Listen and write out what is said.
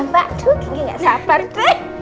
pulang ke tempat